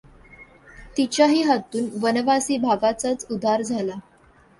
तिच्याही हातून वनवासी भागाचाच उद्धार झाला.